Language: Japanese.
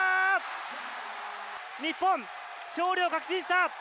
日本、勝利を確信した。